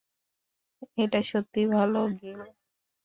এটা সত্যিই ভালো, গিল।